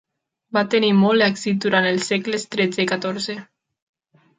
Va tenir molt èxit durant els segles XIII i XIV.